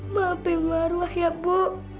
maafin maruah ya bu